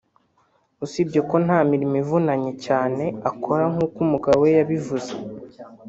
usibye ko nta mirimo ivunanye cyane akora nk’uko umugabo we yabivuze